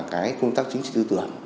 cái công tác chính trị tư tưởng